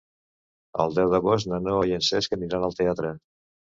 El deu d'agost na Noa i en Cesc aniran al teatre.